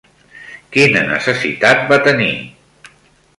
Quina necessitat va tenir?